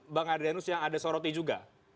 bang ardenus yang ada soroti juga